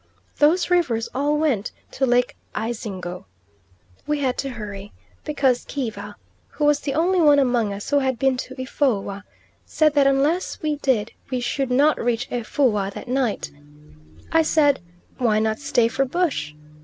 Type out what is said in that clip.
Those rivers all went to Lake Ayzingo. We had to hurry because Kiva, who was the only one among us who had been to Efoua, said that unless we did we should not reach Efoua that night. I said, "Why not stay for bush?"